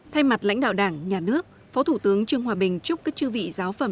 thay mặt lãnh đạo đảng nhà nước phó thủ tướng trương hòa bình chúc các chư vị giáo phẩm